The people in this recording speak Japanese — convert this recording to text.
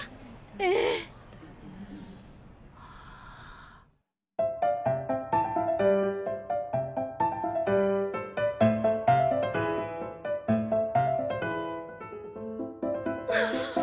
ええ。ああ。